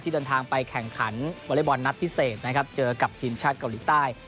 เดินทางไปแข่งขันวอเล็กบอลนัดพิเศษนะครับเจอกับทีมชาติเกาหลีใต้